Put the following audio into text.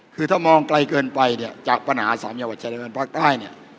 คือถ้ามองไกลเกินไปเนี่ยจากปัญหาสามจังหวัดเจริญภาคใต้เนี่ย